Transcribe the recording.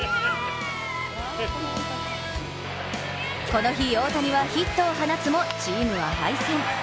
この日、大谷はヒットを放つもチームは敗戦。